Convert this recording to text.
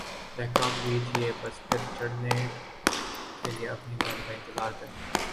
دھکا م دیجئے، بس پر چڑھنے کے لئے اپنی باری کا انتظار کریں